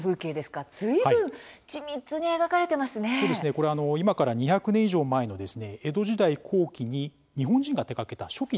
これ今から２００年以上前の江戸時代後期に日本人が手がけた初期の銅版画なんです。